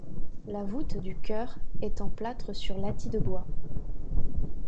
La voûte du chœur est en plâtre sur lattis de bois.